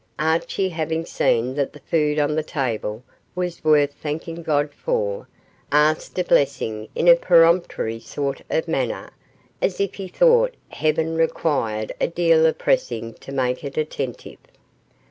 Archie, having seen that the food on the table was worth thanking God for, asked a blessing in a peremptory sort of manner, as if he thought Heaven required a deal of pressing to make it attentive.